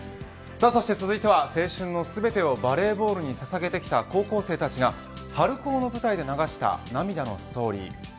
そして続いては、青春の全てをバレーボールにささげてきた高校生たちが春高の舞台で流した涙のストーリー。